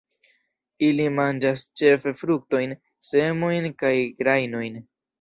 Ili manĝas ĉefe fruktojn, semojn kaj grajnojn.